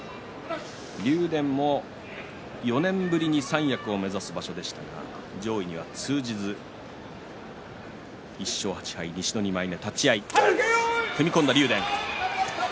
竜電も４年ぶりに三役を目指す場所でしたが上位には通じず１勝８敗、西の２枚目です。